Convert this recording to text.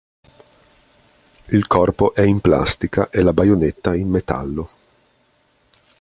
Il corpo è in plastica e la baionetta in metallo.